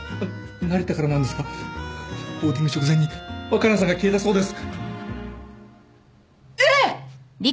成田からなんですがボーディング直前に若菜さんが消えたそうです。えっ！？